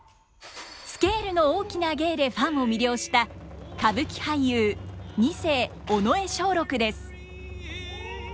スケールの大きな芸でファンを魅了した歌舞伎俳優二世尾上松緑です。